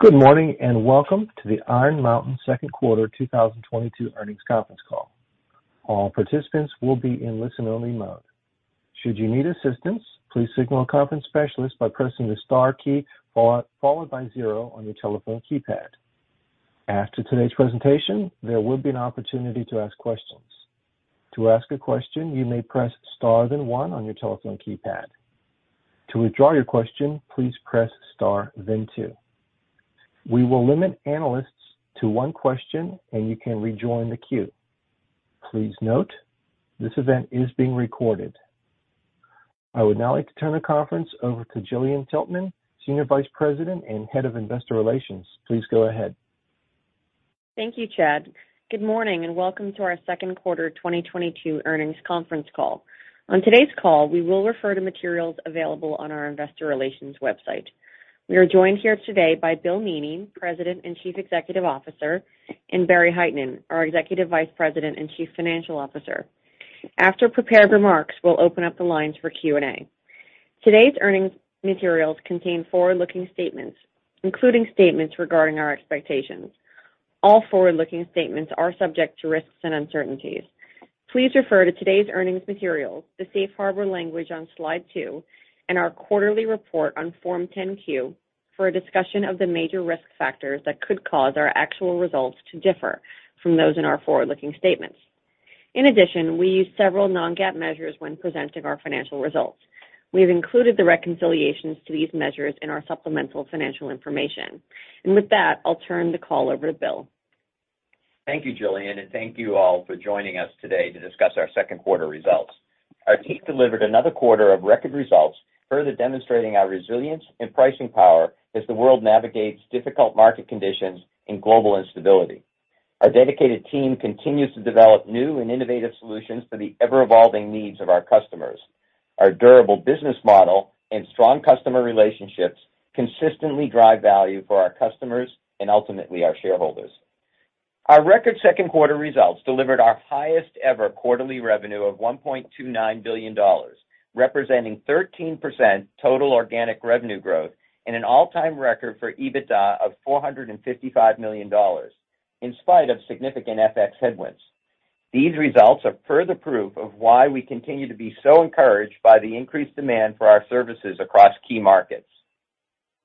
Good morning, and welcome to the Iron Mountain Second Quarter 2022 Earnings Conference Call. All participants will be in listen-only mode. Should you need assistance, please signal a conference specialist by pressing the star key followed by zero on your telephone keypad. After today's presentation, there will be an opportunity to ask questions. To ask a question, you may press star then one on your telephone keypad. To withdraw your question, please press star then two. We will limit analysts to one question and you can rejoin the queue. Please note, this event is being recorded. I would now like to turn the conference over to Gillian Tiltman, Senior Vice President and Head of Investor Relations. Please go ahead. Thank you, Chad. Good morning, and welcome to our Second Quarter 2022 Earnings Conference Call. On today's call, we will refer to materials available on our investor relations website. We are joined here today by Bill Meaney, President and Chief Executive Officer, and Barry Hytinen, our Executive Vice President and Chief Financial Officer. After prepared remarks, we'll open up the lines for Q&A. Today's earnings materials contain forward-looking statements, including statements regarding our expectations. All forward-looking statements are subject to risks and uncertainties. Please refer to today's earnings materials, the safe harbor language on Slide 2, and our quarterly report on Form 10-Q for a discussion of the major risk factors that could cause our actual results to differ from those in our forward-looking statements. In addition, we use several non-GAAP measures when presenting our financial results. We have included the reconciliations to these measures in our supplemental financial information. With that, I'll turn the call over to Bill. Thank you, Gillian, and thank you all for joining us today to discuss our second quarter results. Our team delivered another quarter of record results, further demonstrating our resilience and pricing power as the world navigates difficult market conditions and global instability. Our dedicated team continues to develop new and innovative solutions for the ever-evolving needs of our customers. Our durable business model and strong customer relationships consistently drive value for our customers and ultimately our shareholders. Our record second quarter results delivered our highest ever quarterly revenue of $1.29 billion, representing 13% total organic revenue growth and an all-time record for EBITDA of $455 million in spite of significant FX headwinds. These results are further proof of why we continue to be so encouraged by the increased demand for our services across key markets.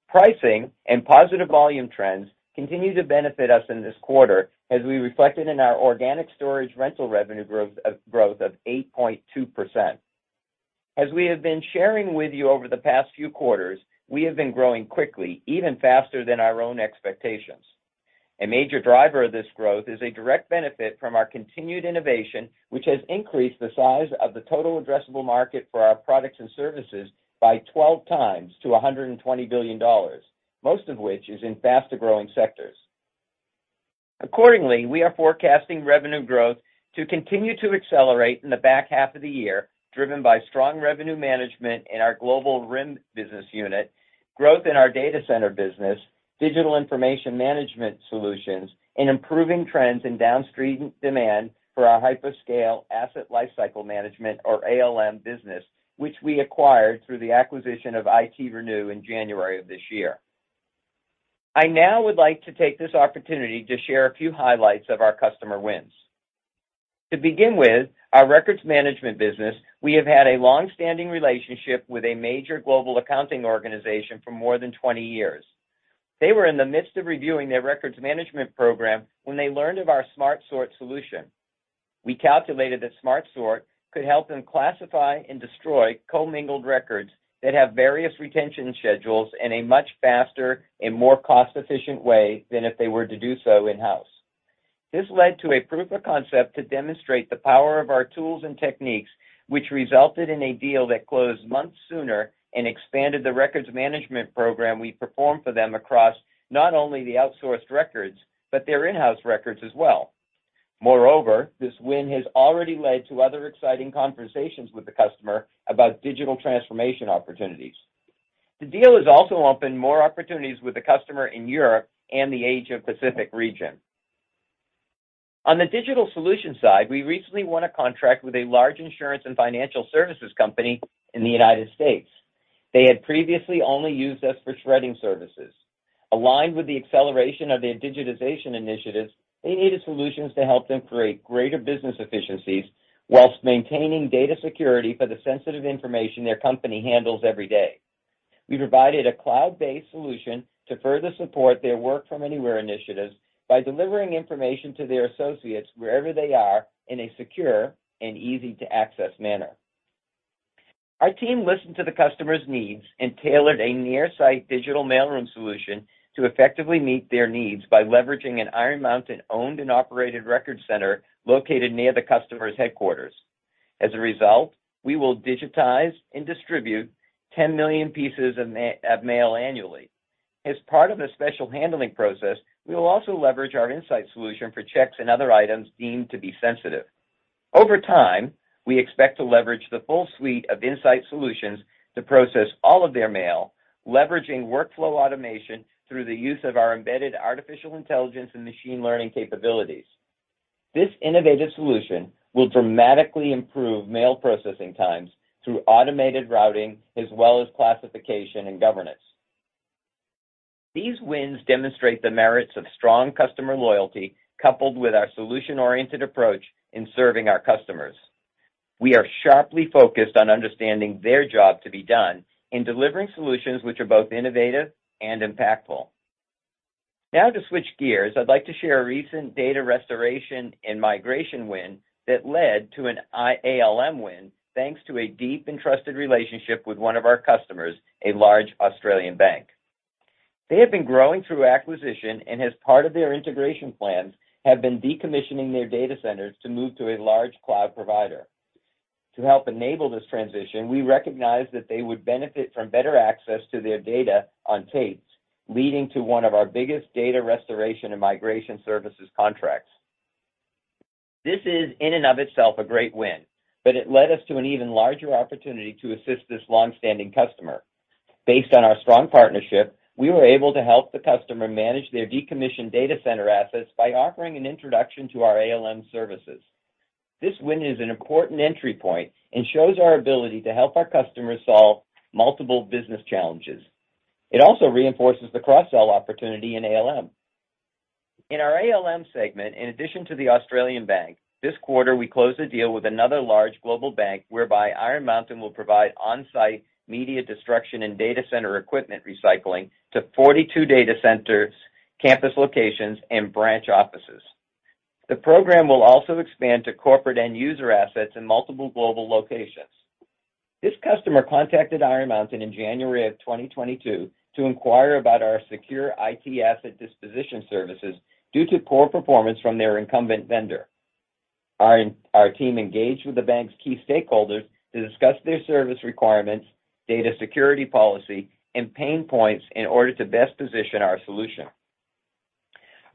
Pricing and positive volume trends continue to benefit us in this quarter as we reflected in our Organic Storage Rental Revenue growth of 8.2%. As we have been sharing with you over the past few quarters, we have been growing quickly, even faster than our own expectations. A major driver of this growth is a direct benefit from our continued innovation, which has increased the size of the total addressable market for our products and services by 12x to $120 billion, most of which is in faster-growing sectors. Accordingly, we are forecasting revenue growth to continue to accelerate in the back half of the year, driven by strong revenue management in our Global RIM business unit, growth in our data center business, digital information management solutions, and improving trends in downstream demand for our Hyperscale asset lifecycle management or ALM business, which we acquired through the acquisition of ITRenew in January of this year. I now would like to take this opportunity to share a few highlights of our customer wins. To begin with, our records management business, we have had a long-standing relationship with a major global accounting organization for more than 20 years. They were in the midst of reviewing their records management program when they learned of our Smart Sort solution. We calculated that Smart Sort could help them classify and destroy commingled records that have various retention schedules in a much faster and more cost-efficient way than if they were to do so in-house. This led to a proof of concept to demonstrate the power of our tools and techniques, which resulted in a deal that closed months sooner and expanded the records management program we perform for them across not only the outsourced records, but their in-house records as well. Moreover, this win has already led to other exciting conversations with the customer about digital transformation opportunities. The deal has also opened more opportunities with the customer in Europe and the Asia Pacific region. On the digital solution side, we recently won a contract with a large insurance and financial services company in the United States. They had previously only used us for shredding services. Aligned with the acceleration of their digitization initiatives, they needed solutions to help them create greater business efficiencies while maintaining data security for the sensitive information their company handles every day. We provided a cloud-based solution to further support their Work From Anywhere initiatives by delivering information to their associates wherever they are in a secure and easy-to-access manner. Our team listened to the customer's needs and tailored a near-site digital mailroom solution to effectively meet their needs by leveraging an Iron Mountain owned and operated record center located near the customer's headquarters. As a result, we will digitize and distribute 10 million pieces of mail annually. As part of the special handling process, we will also leverage our InSight solution for checks and other items deemed to be sensitive. Over time, we expect to leverage the full suite of InSight solutions to process all of their mail, leveraging workflow automation through the use of our embedded artificial intelligence and machine learning capabilities. This innovative solution will dramatically improve mail processing times through automated routing as well as classification and governance. These wins demonstrate the merits of strong customer loyalty coupled with our solution-oriented approach in serving our customers. We are sharply focused on understanding their job to be done in delivering solutions which are both innovative and impactful. Now to switch gears, I'd like to share a recent data restoration and migration win that led to an ALM win thanks to a deep and trusted relationship with one of our customers, a large Australian bank. They have been growing through acquisition, and as part of their integration plans, have been decommissioning their data centers to move to a large cloud provider. To help enable this transition, we recognized that they would benefit from better access to their data on tapes, leading to one of our biggest data restoration and migration services contracts. This is, in and of itself, a great win, but it led us to an even larger opportunity to assist this long-standing customer. Based on our strong partnership, we were able to help the customer manage their decommissioned data center assets by offering an introduction to our ALM services. This win is an important entry point and shows our ability to help our customers solve multiple business challenges. It also reinforces the cross-sell opportunity in ALM. In our ALM segment, in addition to the Australian bank, this quarter we closed a deal with another large global bank whereby Iron Mountain will provide on-site media destruction and data center equipment recycling to 42 data centers, campus locations, and branch offices. The program will also expand to corporate end user assets in multiple global locations. This customer contacted Iron Mountain in January of 2022 to inquire about our secure IT asset disposition services due to poor performance from their incumbent vendor. Our team engaged with the bank's key stakeholders to discuss their service requirements, data security policy, and pain points in order to best position our solution.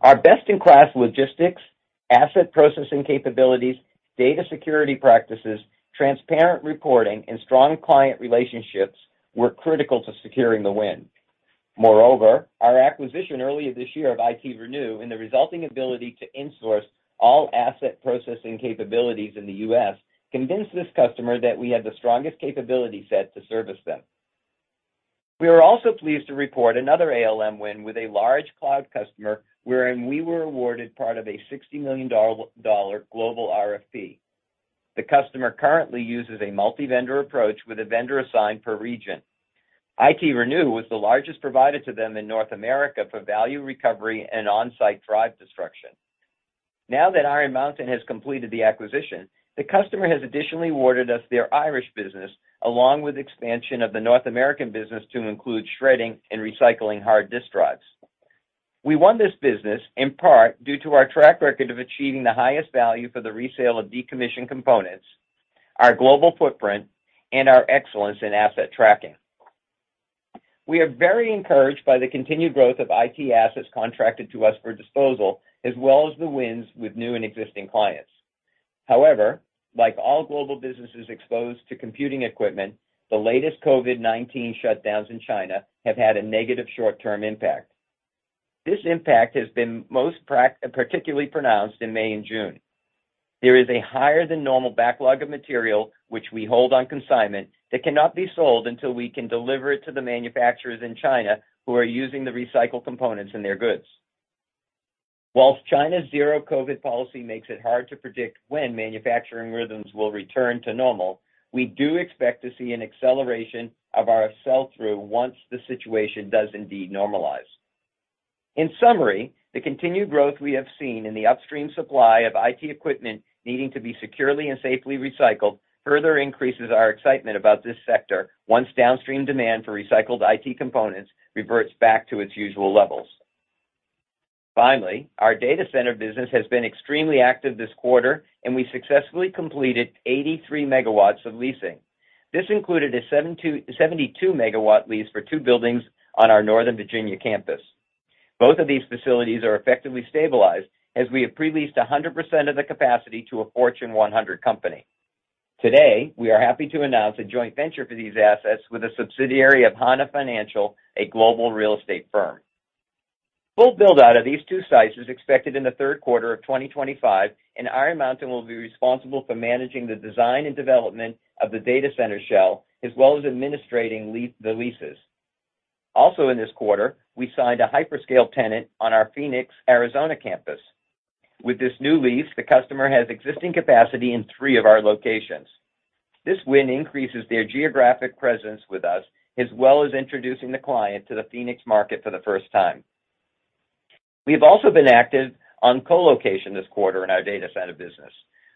Our best-in-class logistics, asset processing capabilities, data security practices, transparent reporting, and strong client relationships were critical to securing the win. Moreover, our acquisition earlier this year of ITRenew and the resulting ability to insource all asset processing capabilities in the U.S. convinced this customer that we had the strongest capability set to service them. We are also pleased to report another ALM win with a large cloud customer wherein we were awarded part of a $60 million global RFP. The customer currently uses a multi-vendor approach with a vendor assigned per region. ITRenew was the largest provider to them in North America for value recovery and on-site drive destruction. Now that Iron Mountain has completed the acquisition, the customer has additionally awarded us their Irish business along with expansion of the North American business to include shredding and recycling hard disk drives. We won this business in part due to our track record of achieving the highest value for the resale of decommissioned components, our global footprint, and our excellence in asset tracking. We are very encouraged by the continued growth of IT assets contracted to us for disposal, as well as the wins with new and existing clients. However, like all global businesses exposed to computing equipment, the latest COVID-19 shutdowns in China have had a negative short-term impact. This impact has been most particularly pronounced in May and June. There is a higher than normal backlog of material, which we hold on consignment, that cannot be sold until we can deliver it to the manufacturers in China who are using the recycled components in their goods. While China's zero COVID policy makes it hard to predict when manufacturing rhythms will return to normal, we do expect to see an acceleration of our sell-through once the situation does indeed normalize. In summary, the continued growth we have seen in the upstream supply of IT equipment needing to be securely and safely recycled further increases our excitement about this sector once downstream demand for recycled IT components reverts back to its usual levels. Finally, our data center business has been extremely active this quarter, and we successfully completed 83 MW of leasing. This included a 72 MW lease for two buildings on our Northern Virginia campus. Both of these facilities are effectively stabilized as we have pre-leased 100% of the capacity to a Fortune 100 company. Today, we are happy to announce a joint venture for these assets with a subsidiary of Hana Financial, a global real estate firm. Full build-out of these two sites is expected in the third quarter of 2025, and Iron Mountain will be responsible for managing the design and development of the data center shell as well as administering the leases. Also in this quarter, we signed a Hyperscale tenant on our Phoenix, Arizona campus. With this new lease, the customer has existing capacity in three of our locations. This win increases their geographic presence with us, as well as introducing the client to the Phoenix market for the first time. We have also been active on colocation this quarter in our data center business.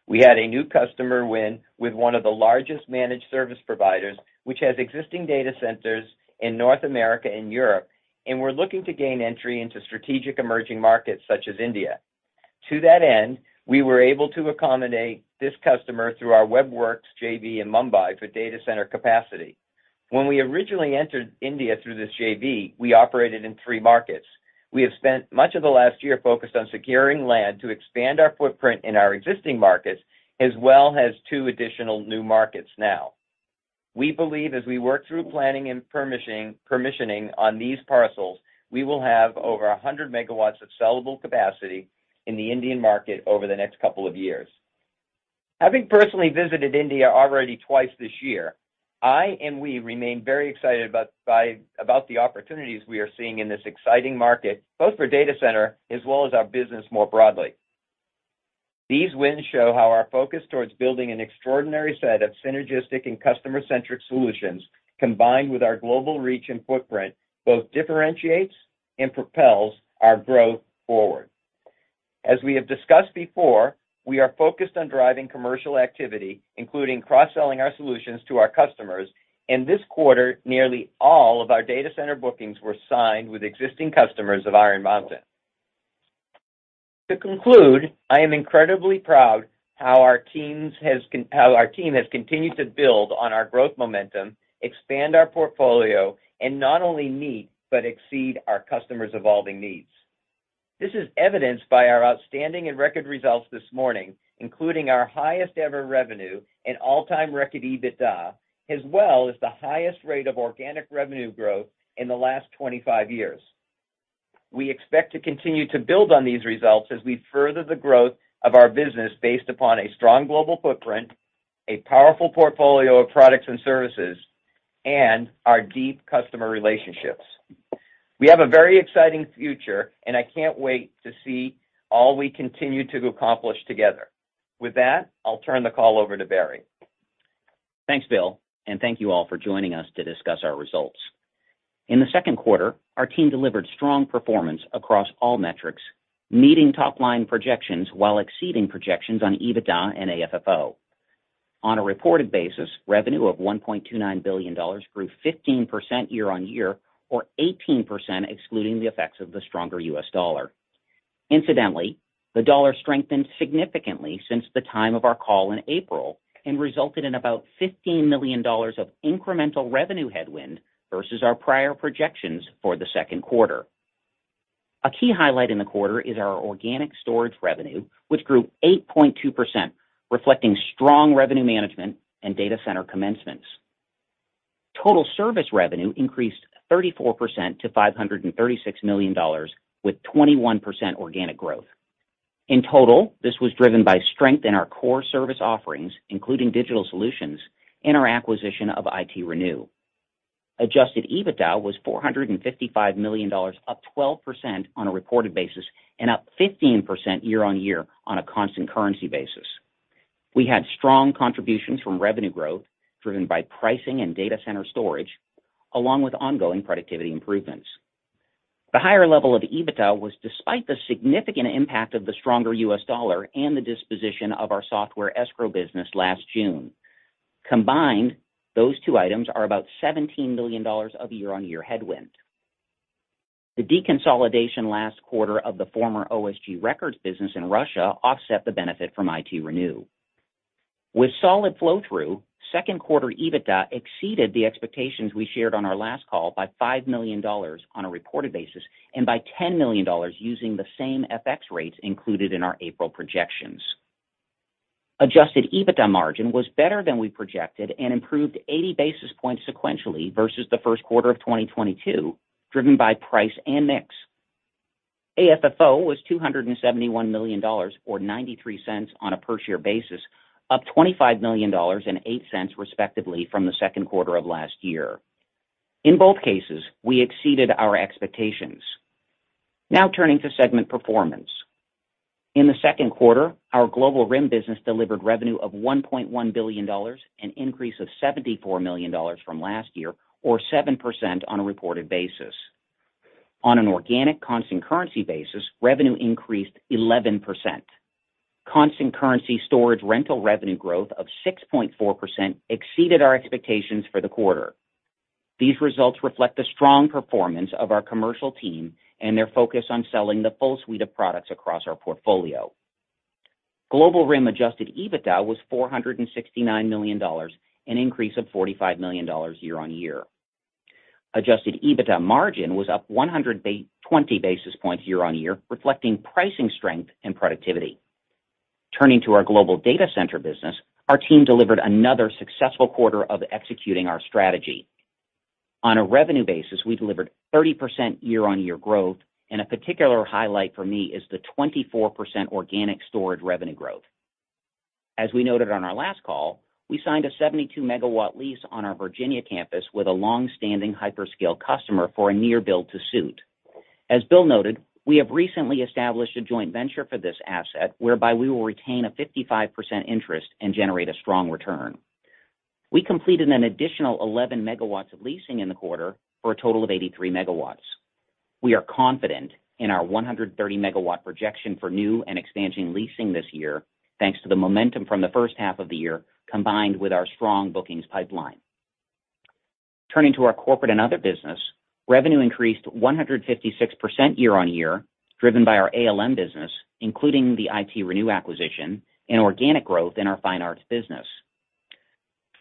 We had a new customer win with one of the largest managed service providers, which has existing data centers in North America and Europe, and we're looking to gain entry into strategic emerging markets such as India. To that end, we were able to accommodate this customer through our Web Werks JV in Mumbai for data center capacity. When we originally entered India through this JV, we operated in three markets. We have spent much of the last year focused on securing land to expand our footprint in our existing markets as well as two additional new markets now. We believe as we work through planning and pre-commissioning on these parcels, we will have over 100 MW of sellable capacity in the Indian market over the next couple of years. Having personally visited India already twice this year, I and we remain very excited about the opportunities we are seeing in this exciting market, both for data center as well as our business more broadly. These wins show how our focus towards building an extraordinary set of synergistic and customer-centric solutions, combined with our global reach and footprint, both differentiates and propels our growth forward. As we have discussed before, we are focused on driving commercial activity, including cross-selling our solutions to our customers, and this quarter, nearly all of our data center bookings were signed with existing customers of Iron Mountain. To conclude, I am incredibly proud how our team has continued to build on our growth momentum, expand our portfolio, and not only meet but exceed our customers' evolving needs. This is evidenced by our outstanding and record results this morning, including our highest ever revenue and all-time record EBITDA, as well as the highest rate of organic revenue growth in the last 25 years. We expect to continue to build on these results as we further the growth of our business based upon a strong global footprint, a powerful portfolio of products and services, and our deep customer relationships. We have a very exciting future, and I can't wait to see all we continue to accomplish together. With that, I'll turn the call over to Barry. Thanks, Bill, and thank you all for joining us to discuss our results. In the second quarter, our team delivered strong performance across all metrics, meeting top-line projections while exceeding projections on EBITDA and AFFO. On a reported basis, revenue of $1.29 billion grew 15% year-over-year, or 18% excluding the effects of the stronger US dollar. Incidentally, the dollar strengthened significantly since the time of our call in April and resulted in about $15 million of incremental revenue headwind versus our prior projections for the second quarter. A key highlight in the quarter is our organic storage revenue, which grew 8.2%, reflecting strong revenue management and data center commencements. Total service revenue increased 34% to $536 million, with 21% organic growth. In total, this was driven by strength in our core service offerings, including digital solutions, and our acquisition of ITRenew. Adjusted EBITDA was $455 million, up 12% on a reported basis and up 15% year-over-year on a constant currency basis. We had strong contributions from revenue growth driven by pricing and data center storage, along with ongoing productivity improvements. The higher level of EBITDA was despite the significant impact of the stronger U.S. dollar and the disposition of our software escrow business last June. Combined, those two items are about $17 million of year-over-year headwind. The deconsolidation last quarter of the former OSG Records Management business in Russia offset the benefit from ITRenew. With solid flow-through, second quarter EBITDA exceeded the expectations we shared on our last call by $5 million on a reported basis and by $10 million using the same FX rates included in our April projections. Adjusted EBITDA margin was better than we projected and improved 80 basis points sequentially versus the first quarter of 2022, driven by price and mix. AFFO was $271 million, or $0.93 on a per-share basis, up $25 million and $0.08 respectively from the second quarter of last year. In both cases, we exceeded our expectations. Now turning to segment performance. In the second quarter, our Global RIM business delivered revenue of $1.1 billion, an increase of $74 million from last year or 7% on a reported basis. On an organic constant currency basis, revenue increased 11%. Constant currency storage rental revenue growth of 6.4% exceeded our expectations for the quarter. These results reflect the strong performance of our commercial team and their focus on selling the full suite of products across our portfolio. Global RIM Adjusted EBITDA was $469 million, an increase of $45 million year-on-year. Adjusted EBITDA margin was up 20 basis points year-on-year, reflecting pricing strength and productivity. Turning to our global data center business, our team delivered another successful quarter of executing our strategy. On a revenue basis, we delivered 30% year-on-year growth, and a particular highlight for me is the 24% organic storage revenue growth. As we noted on our last call, we signed a 72 MW lease on our Virginia campus with a long-standing Hyperscale customer for a near build to suit. As Bill noted, we have recently established a joint venture for this asset whereby we will retain a 55% interest and generate a strong return. We completed an additional 11 MW of leasing in the quarter for a total of 83 MW. We are confident in our 130 MW projection for new and expansion leasing this year, thanks to the momentum from the first half of the year combined with our strong bookings pipeline. Turning to our corporate and other business, revenue increased 156% year-on-year, driven by our ALM business, including the ITRenew acquisition and organic growth in our Fine Arts business.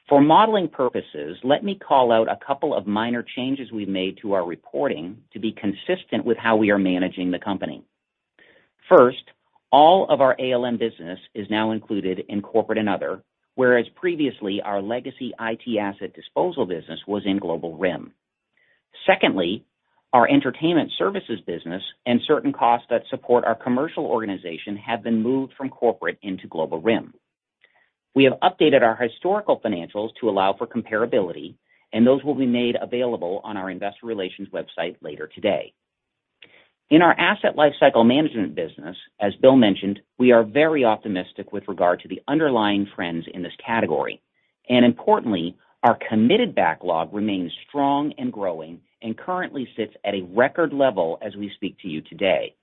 For modeling purposes, let me call out a couple of minor changes we made to our reporting to be consistent with how we are managing the company. First, all of our ALM business is now included in corporate and other, whereas previously, our legacy IT asset disposal business was in Global RIM. Secondly, our entertainment services business and certain costs that support our commercial organization have been moved from corporate into Global RIM. We have updated our historical financials to allow for comparability, and those will be made available on our investor relations website later today. In our asset lifecycle management business, as Bill mentioned, we are very optimistic with regard to the underlying trends in this category. Importantly, our committed backlog remains strong and growing and currently sits at a record level as we speak to you today.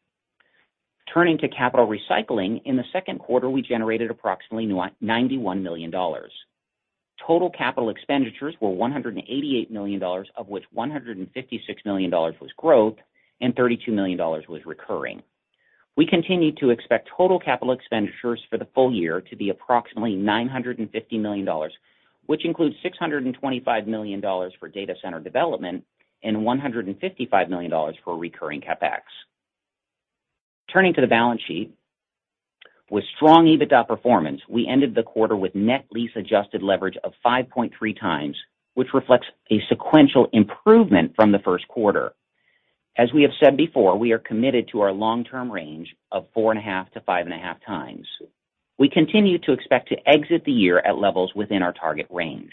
Turning to capital recycling, in the second quarter, we generated approximately $91 million. Total capital expenditures were $188 million, of which $156 million was growth and $32 million was recurring. We continue to expect total capital expenditures for the full year to be approximately $950 million, which includes $625 million for data center development and $155 million for recurring CapEx. Turning to the balance sheet. With strong EBITDA performance, we ended the quarter with net lease adjusted leverage of 5.3x, which reflects a sequential improvement from the first quarter. As we have said before, we are committed to our long-term range of 4.5x to 5.5x. We continue to expect to exit the year at levels within our target range.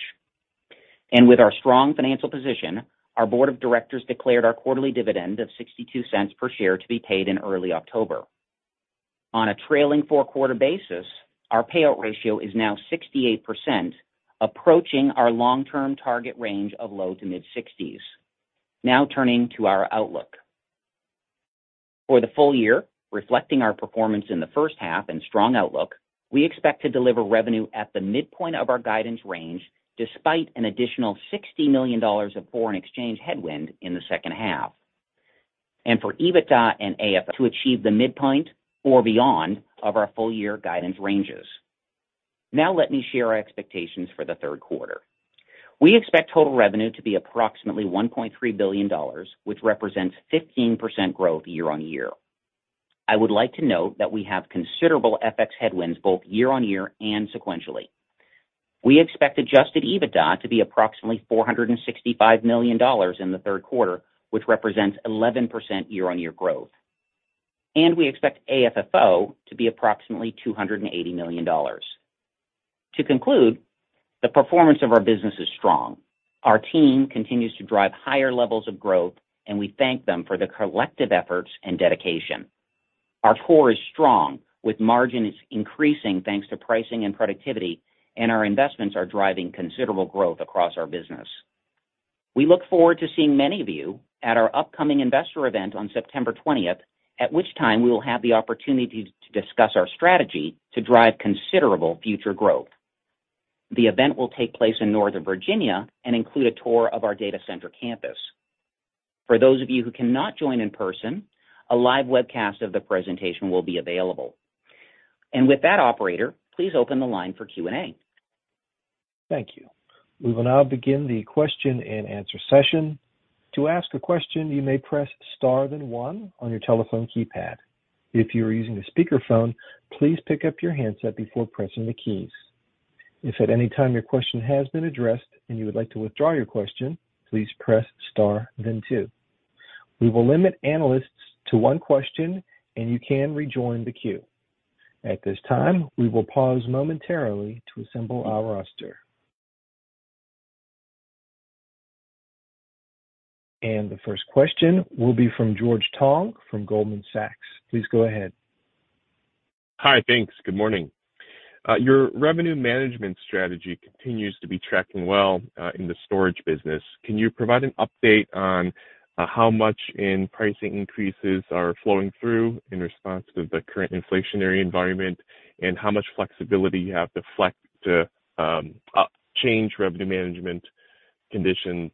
With our strong financial position, our board of directors declared our quarterly dividend of $0.62 per share to be paid in early October. On a trailing four-quarter basis, our payout ratio is now 68%, approaching our long-term target range of low to mid-60s. Now turning to our outlook. For the full-year, reflecting our performance in the first half and strong outlook, we expect to deliver revenue at the midpoint of our guidance range despite an additional $60 million of foreign exchange headwind in the second half. For EBITDA and AFFO to achieve the midpoint or beyond of our full-year guidance ranges. Now let me share our expectations for the third quarter. We expect total revenue to be approximately $1.3 billion, which represents 15% growth year-over-year. I would like to note that we have considerable FX headwinds both year-over-year and sequentially. We expect Adjusted EBITDA to be approximately $465 million in the third quarter, which represents 11% year-over-year growth. We expect AFFO to be approximately $280 million. To conclude, the performance of our business is strong. Our team continues to drive higher levels of growth, and we thank them for their collective efforts and dedication. Our core is strong, with margins increasing thanks to pricing and productivity, and our investments are driving considerable growth across our business. We look forward to seeing many of you at our upcoming investor event on September 20th, at which time we will have the opportunity to discuss our strategy to drive considerable future growth. The event will take place in Northern Virginia and include a tour of our data center campus. For those of you who cannot join in person, a live webcast of the presentation will be available. With that, operator, please open the line for Q&A. Thank you. We will now begin the question-and-answer session. To ask a question, you may press star then one on your telephone keypad. If you are using a speakerphone, please pick up your handset before pressing the keys. If at any time your question has been addressed and you would like to withdraw your question, please press star then two. We will limit analysts to one question, and you can rejoin the queue. At this time, we will pause momentarily to assemble our roster. The first question will be from George Tong from Goldman Sachs. Please go ahead. Hi. Thanks. Good morning. Your revenue management strategy continues to be tracking well in the storage business. Can you provide an update on how much in pricing increases are flowing through in response to the current inflationary environment and how much flexibility you have to flex to change revenue management conditions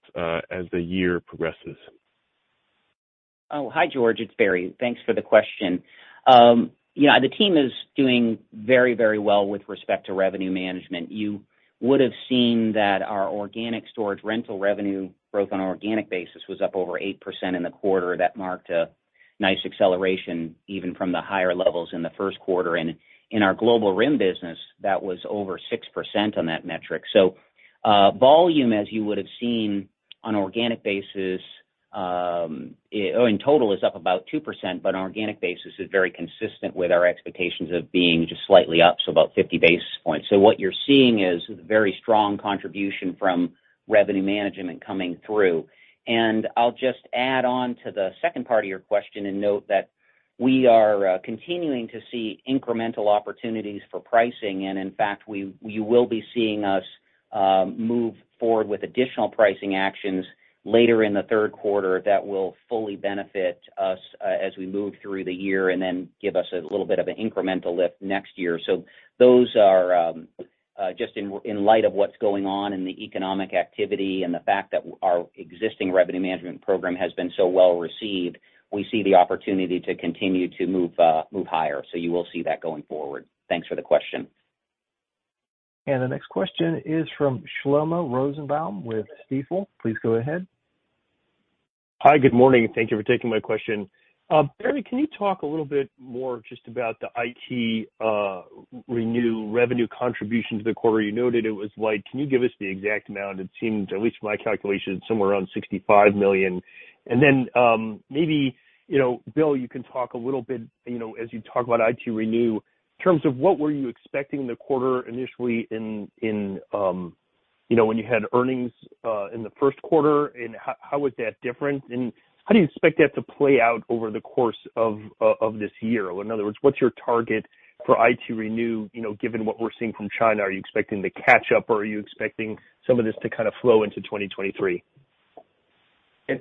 as the year progresses? Oh, hi, George. It's Barry. Thanks for the question. You know, the team is doing very, very well with respect to revenue management. You would have seen that our Organic Storage Rental Revenue growth on an organic basis was up over 8% in the quarter. That marked a nice acceleration even from the higher levels in the first quarter. In our Global RIM business, that was over 6% on that metric. Volume, as you would have seen on an organic basis, in total is up about 2%, but on an organic basis is very consistent with our expectations of being just slightly up, so about 50 basis points. What you're seeing is very strong contribution from revenue management coming through. I'll just add on to the second part of your question and note that we are continuing to see incremental opportunities for pricing. In fact, you will be seeing us move forward with additional pricing actions later in the third quarter that will fully benefit us as we move through the year and then give us a little bit of an incremental lift next year. Those are just in light of what's going on in the economic activity and the fact that our existing revenue management program has been so well received, we see the opportunity to continue to move higher. You will see that going forward. Thanks for the question. The next question is from Shlomo Rosenbaum with Stifel. Please go ahead. Hi, good morning, and thank you for taking my question. Barry, can you talk a little bit more just about the ITRenew revenue contribution to the quarter? You noted it was like, can you give us the exact amount? It seemed, at least my calculation, somewhere around $65 million. Then, maybe, you know, Bill, you can talk a little bit, you know, as you talk about ITRenew, in terms of what were you expecting the quarter initially in, you know, when you had earnings in the first quarter, and how was that different? And how do you expect that to play out over the course of this year? In other words, what's your target for ITRenew, you know, given what we're seeing from China? Are you expecting to catch up, or are you expecting some of this to kind of flow into 2023?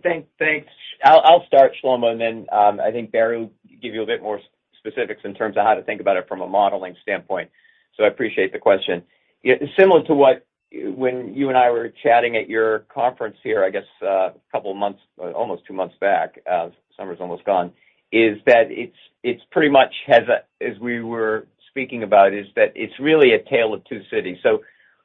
Thanks. I'll start, Shlomo, and then I think Barry will give you a bit more specifics in terms of how to think about it from a modeling standpoint. I appreciate the question. Yeah, similar to what, when you and I were chatting at your conference here, I guess, a couple of months, almost two months back, summer's almost gone. It's pretty much, as we were speaking about, it's really a tale of two cities.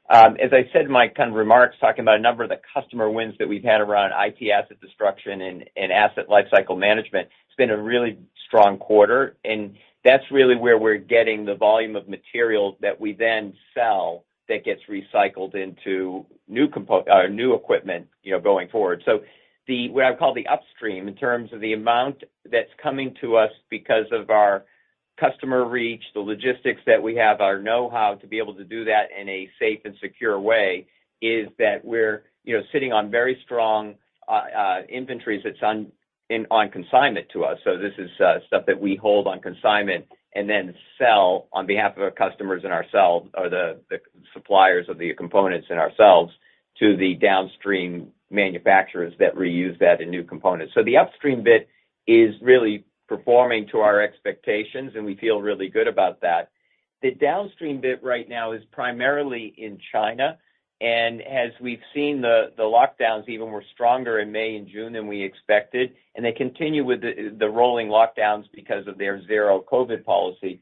As I said in my kind of remarks, talking about a number of the customer wins that we've had around IT asset destruction and asset lifecycle management, it's been a really strong quarter. That's really where we're getting the volume of materials that we then sell that gets recycled into new components or new equipment, you know, going forward. What I call the upstream in terms of the amount that's coming to us because of our customer reach, the logistics that we have, our know-how to be able to do that in a safe and secure way, is that we're, you know, sitting on very strong inventories that's on consignment to us. This is stuff that we hold on consignment and then sell on behalf of our customers and ourselves, or the suppliers of the components and ourselves to the downstream manufacturers that reuse that in new components. The upstream bit is really performing to our expectations, and we feel really good about that. The downstream bit right now is primarily in China, and as we've seen the lockdowns even were stronger in May and June than we expected, and they continue with the rolling lockdowns because of their zero COVID policy.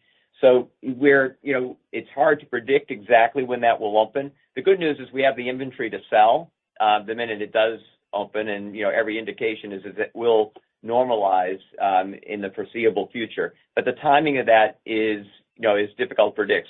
We're, you know, it's hard to predict exactly when that will open. The good news is we have the inventory to sell the minute it does open, and, you know, every indication is it will normalize in the foreseeable future. The timing of that is, you know, difficult to predict.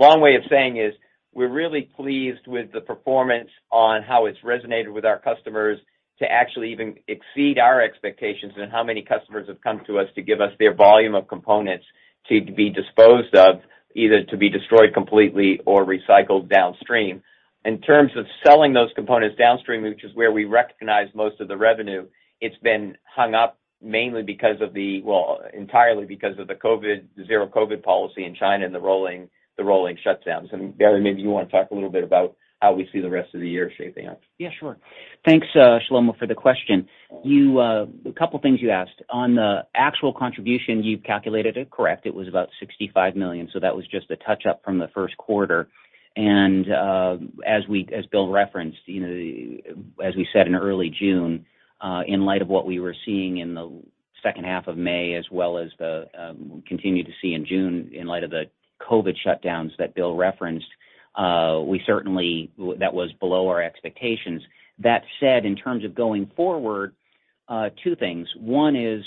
Long way of saying is we're really pleased with the performance on how it's resonated with our customers to actually even exceed our expectations and how many customers have come to us to give us their volume of components to be disposed of, either to be destroyed completely or recycled downstream. In terms of selling those components downstream, which is where we recognize most of the revenue, it's been hung up mainly because of, well, entirely because of the COVID zero-COVID policy in China and the rolling shutdowns. Barry, maybe you want to talk a little bit about how we see the rest of the year shaping up. Yeah, sure. Thanks, Shlomo, for the question. You, a couple things you asked. On the actual contribution, you've calculated it correct. It was about $65 million, so that was just a touch-up from the first quarter. As Bill referenced, you know, as we said in early June, in light of what we were seeing in the second half of May, as well as the continued to see in June in light of the COVID shutdowns that Bill referenced, that was below our expectations. That said, in terms of going forward, two things. One is,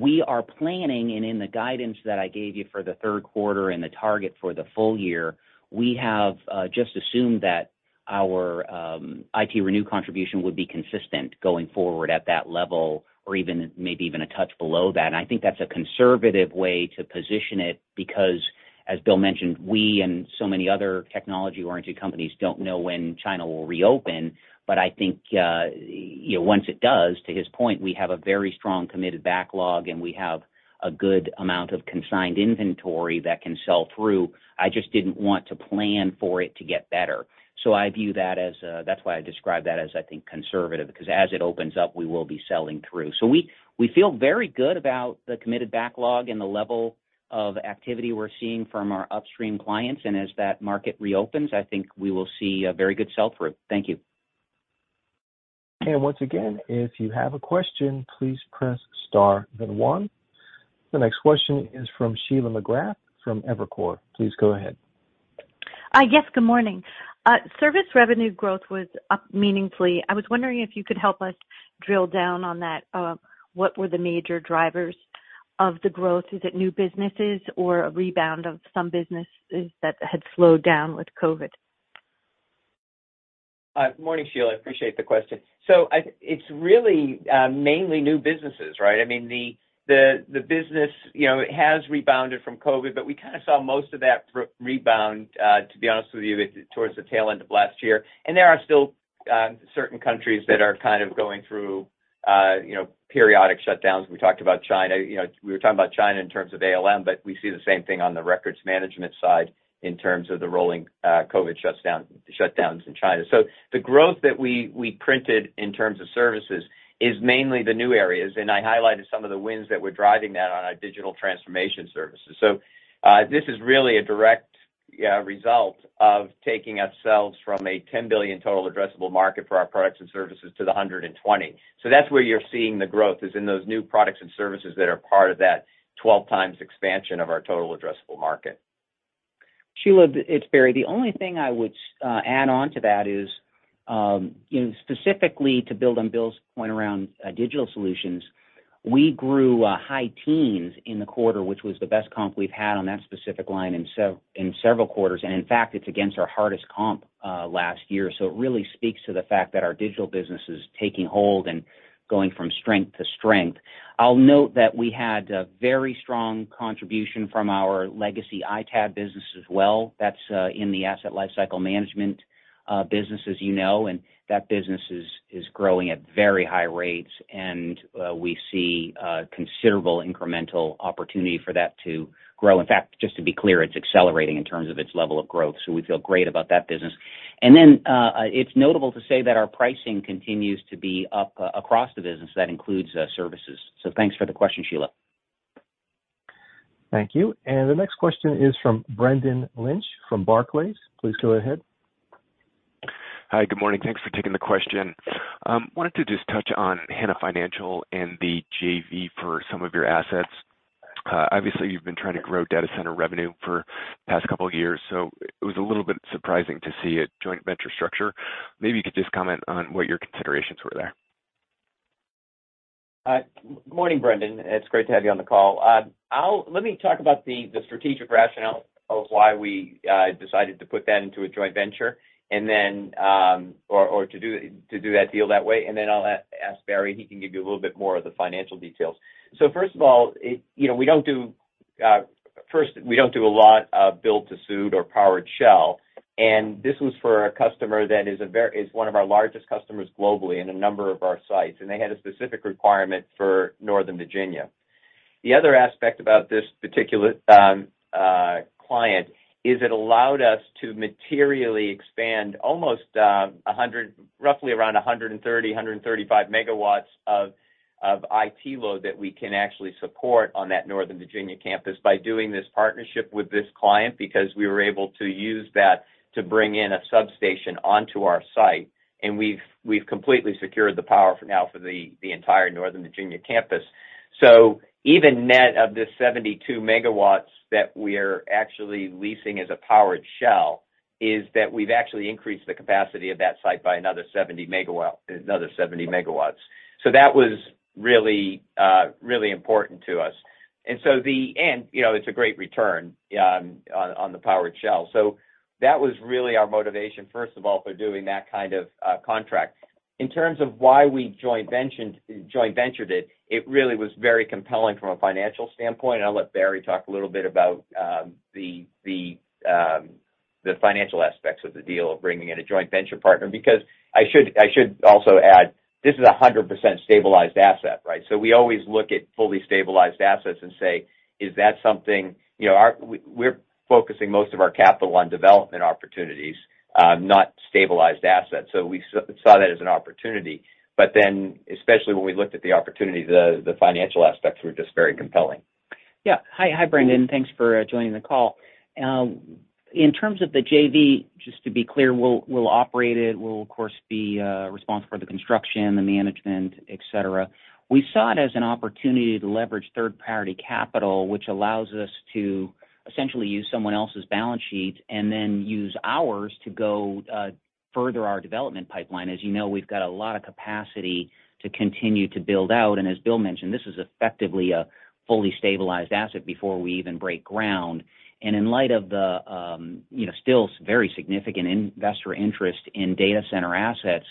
we are planning, and in the guidance that I gave you for the third quarter and the target for the full year, we have, just assumed that our, ITRenew contribution would be consistent going forward at that level or even, maybe even a touch below that. I think that's a conservative way to position it because, as Bill mentioned, we and so many other technology-oriented companies don't know when China will reopen. I think, you know, once it does, to his point, we have a very strong committed backlog, and we have a good amount of consigned inventory that can sell through. I just didn't want to plan for it to get better. I view that as, that's why I describe that as, I think, conservative, because as it opens up, we will be selling through. We feel very good about the committed backlog and the level of activity we're seeing from our upstream clients. As that market reopens, I think we will see a very good sell-through. Thank you. Once again, if you have a question, please press star then one. The next question is from Sheila McGrath from Evercore. Please go ahead. Yes, good morning. Service revenue growth was up meaningfully. I was wondering if you could help us drill down on that. What were the major drivers of the growth? Is it new businesses or a rebound of some businesses that had slowed down with COVID? Good morning, Sheila. I appreciate the question. It's really mainly new businesses, right? I mean, the business, you know, it has rebounded from COVID, but we kind of saw most of that rebound, to be honest with you, towards the tail end of last year. There are still certain countries that are kind of going through, you know, periodic shutdowns. We talked about China. You know, we were talking about China in terms of ALM, but we see the same thing on the records management side in terms of the rolling COVID shutdowns in China. The growth that we printed in terms of services is mainly the new areas, and I highlighted some of the wins that were driving that on our digital transformation services. This is really a direct result of taking ourselves from a $10 billion total addressable market for our products and services to the $120 billion. That's where you're seeing the growth, is in those new products and services that are part of that 12x expansion of our total addressable market. Sheila, it's Barry. The only thing I would add on to that is, you know, specifically to build on Bill's point around digital solutions, we grew high teens in the quarter, which was the best comp we've had on that specific line in several quarters. In fact, it's against our hardest comp last year. It really speaks to the fact that our digital business is taking hold and going from strength to strength. I'll note that we had a very strong contribution from our legacy ITAD business as well. That's in the asset lifecycle management business, as you know, and that business is growing at very high rates. We see considerable incremental opportunity for that to grow. In fact, just to be clear, it's accelerating in terms of its level of growth, so we feel great about that business. It's notable to say that our pricing continues to be up across the business, that includes services. Thanks for the question, Sheila. Thank you. The next question is from Brendan Lynch from Barclays. Please go ahead. Hi, good morning. Thanks for taking the question. Wanted to just touch on Hana Financial and the JV for some of your assets. Obviously, you've been trying to grow data center revenue for past couple of years, so it was a little bit surprising to see a joint venture structure. Maybe you could just comment on what your considerations were there. Morning, Brendan. It's great to have you on the call. Let me talk about the strategic rationale of why we decided to put that into a joint venture. Then or to do that deal that way, and then I'll ask Barry, he can give you a little bit more of the financial details. First of all, you know, we don't do a lot of build to suit or powered shell, and this was for a customer that is one of our largest customers globally in a number of our sites, and they had a specific requirement for Northern Virginia. The other aspect about this particular client is it allowed us to materially expand roughly around 135 MW of IT load that we can actually support on that Northern Virginia campus by doing this partnership with this client, because we were able to use that to bring in a substation onto our site. We've completely secured the power for now for the entire Northern Virginia campus. Even net of the 72 MW that we're actually leasing as a powered shell is that we've actually increased the capacity of that site by another 70 MW. That was really important to us. In the end, you know, it's a great return on the powered shell. That was really our motivation, first of all, for doing that kind of contract. In terms of why we joint ventured it really was very compelling from a financial standpoint. I'll let Barry talk a little bit about the financial aspects of the deal of bringing in a joint venture partner, because I should also add, this is a 100% stabilized asset, right? We always look at fully stabilized assets and say, "Is that something?" You know, we're focusing most of our capital on development opportunities, not stabilized assets. We saw that as an opportunity. Especially when we looked at the opportunity, the financial aspects were just very compelling. Yeah. Hi, Brendan. Thanks for joining the call. In terms of the JV, just to be clear, we'll operate it. We'll, of course, be responsible for the construction, the management, et cetera. We saw it as an opportunity to leverage third-party capital, which allows us to essentially use someone else's balance sheets and then use ours to go further our development pipeline. As you know, we've got a lot of capacity to continue to build out. As Bill mentioned, this is effectively a fully stabilized asset before we even break ground. In light of the, you know, still very significant investor interest in data center assets,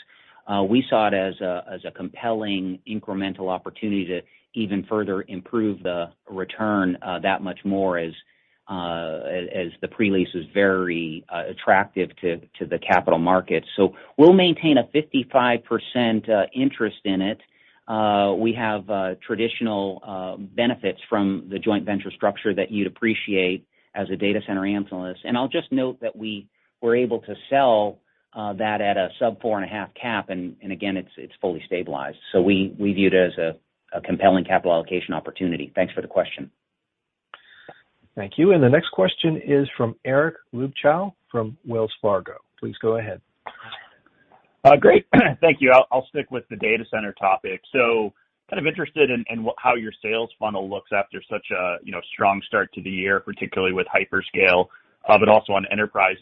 we saw it as a compelling incremental opportunity to even further improve the return that much more as the pre-lease is very attractive to the capital market. We'll maintain a 55% interest in it. We have traditional benefits from the joint venture structure that you'd appreciate as a data center analyst. I'll just note that we were able to sell that at a sub-4.5% cap, and again, it's fully stabilized. We view it as a compelling capital allocation opportunity. Thanks for the question. Thank you. The next question is from Eric Luebchow from Wells Fargo. Please go ahead. Great. Thank you. I'll stick with the data center topic. Kind of interested in how your sales funnel looks after such a, you know, strong start to the year, particularly with Hyperscale, but also on enterprise.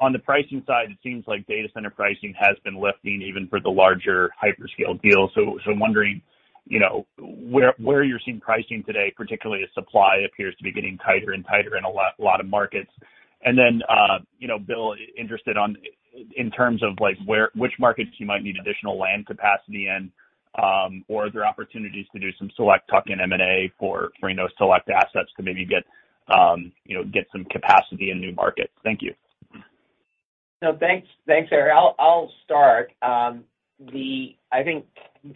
On the pricing side, it seems like data center pricing has been lifting even for the larger Hyperscale deals. I'm wondering, you know, where you're seeing pricing today, particularly as supply appears to be getting tighter and tighter in a lot of markets. You know, Bill, interested in terms of like, which markets you might need additional land capacity in, or are there opportunities to do some select tuck-in M&A for, you know, select assets to maybe get, you know, get some capacity in new markets? Thank you. No, thanks, Eric. I'll start. I think,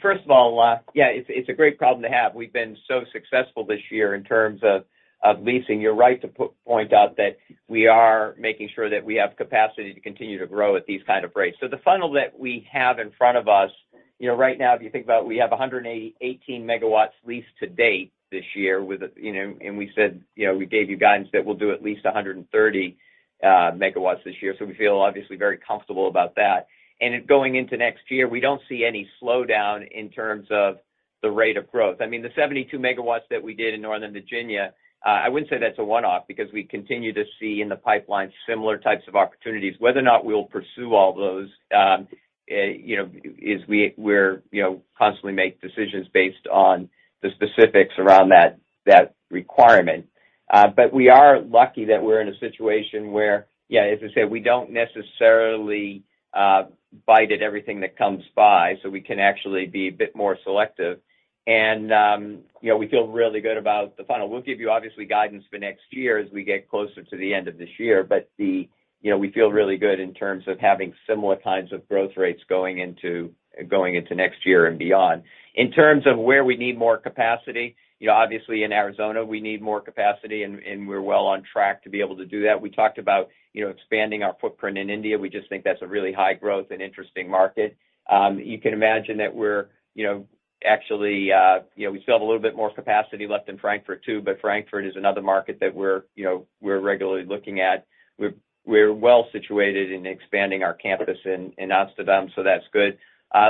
first of all, yeah, it's a great problem to have. We've been so successful this year in terms of leasing. You're right to point out that we are making sure that we have capacity to continue to grow at these kind of rates. The funnel that we have in front of us, you know, right now, if you think about it, we have 18 MW leased to date this year with a, you know, and we said, you know, we gave you guidance that we'll do at least 130. Megawatts this year, so we feel obviously very comfortable about that. Going into next year, we don't see any slowdown in terms of the rate of growth. I mean, the 72 MW that we did in Northern Virginia, I wouldn't say that's a one-off because we continue to see in the pipeline similar types of opportunities. Whether or not we'll pursue all those, you know, is we're, you know, constantly make decisions based on the specifics around that requirement. But we are lucky that we're in a situation where, as I said, we don't necessarily bite at everything that comes by, so we can actually be a bit more selective. You know, we feel really good about the final. We'll give you obviously guidance for next year as we get closer to the end of this year. We feel really good in terms of having similar kinds of growth rates going into next year and beyond. In terms of where we need more capacity, you know, obviously in Arizona, we need more capacity and we're well on track to be able to do that. We talked about, you know, expanding our footprint in India. We just think that's a really high growth and interesting market. You can imagine that we're, you know, actually, you know, we still have a little bit more capacity left in Frankfurt too, but Frankfurt is another market that we're, you know, regularly looking at. We're well situated in expanding our campus in Amsterdam, so that's good.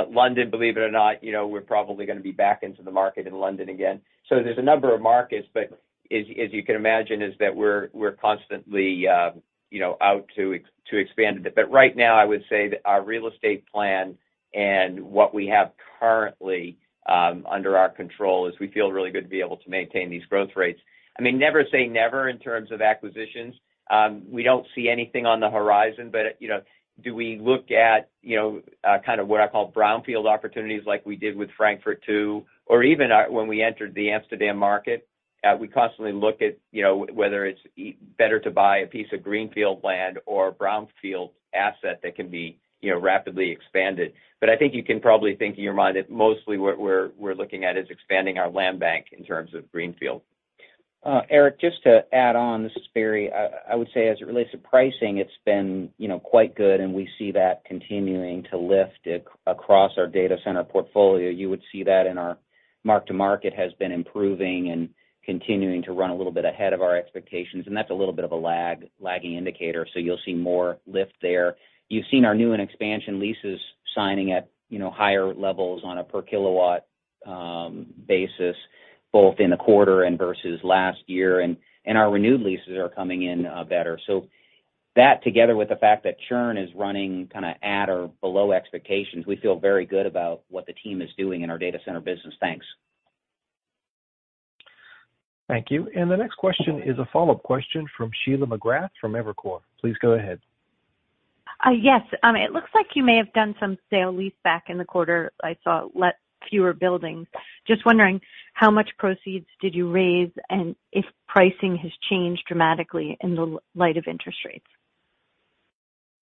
London, believe it or not, you know, we're probably gonna be back into the market in London again. There's a number of markets, but you can imagine that we're constantly out to expand it. Right now, I would say that our real estate plan and what we have currently under our control is we feel really good to be able to maintain these growth rates. I mean, never say never in terms of acquisitions. We don't see anything on the horizon, but you know, do we look at you know kind of what I call brownfield opportunities like we did with Frankfurt too, or even when we entered the Amsterdam market? We constantly look at you know whether it's better to buy a piece of greenfield land or a brownfield asset that can be you know rapidly expanded. I think you can probably think in your mind that mostly what we're looking at is expanding our land bank in terms of greenfield. Eric, just to add on, this is Barry. I would say as it relates to pricing, it's been, you know, quite good, and we see that continuing to lift across our data center portfolio. You would see that in our mark-to-market has been improving and continuing to run a little bit ahead of our expectations, and that's a little bit of a lagging indicator. You'll see more lift there. You've seen our new and expansion leases signing at, you know, higher levels on a per kilowatt basis, both in the quarter and versus last year. Our renewed leases are coming in better. That together with the fact that churn is running kinda at or below expectations, we feel very good about what the team is doing in our data center business. Thanks. Thank you. The next question is a follow-up question from Sheila McGrath from Evercore. Please go ahead. Yes. It looks like you may have done some sale-leaseback in the quarter. I saw fewer buildings. Just wondering how much proceeds did you raise and if pricing has changed dramatically in the light of interest rates.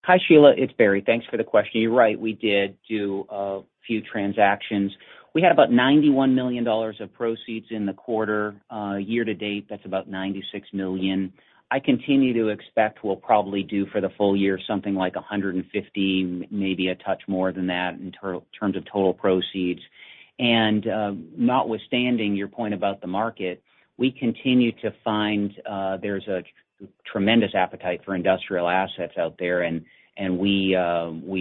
Hi, Sheila. It's Barry. Thanks for the question. You're right. We did do a few transactions. We had about $91 million of proceeds in the quarter. Year to date, that's about $96 million. I continue to expect we'll probably do for the full year something like 115, maybe a touch more than that in terms of total proceeds. Notwithstanding your point about the market, we continue to find, there's a tremendous appetite for industrial assets out there. We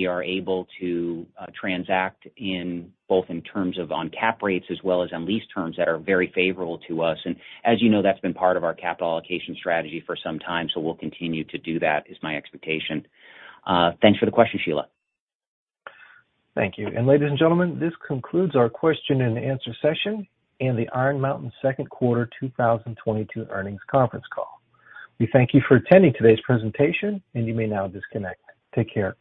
are able to transact in both in terms of on cap rates as well as on lease terms that are very favorable to us. As you know, that's been part of our capital allocation strategy for some time, so we'll continue to do that, is my expectation. Thanks for the question, Sheila. Thank you. Ladies and gentlemen, this concludes our question and answer session in the Iron Mountain Second Quarter 2022 Earnings Conference Call. We thank you for attending today's presentation, and you may now disconnect. Take care.